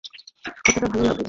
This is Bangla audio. কথাটা ভালো লাগলো।